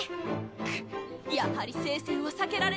くっやはり聖戦は避けられないのか？